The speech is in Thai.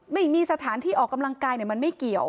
ไม่มีสถานที่ออกกำลังกายมันไม่เกี่ยว